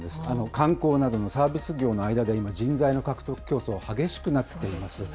観光などのサービス業の間で、今、人材の獲得競争が激しくなっています。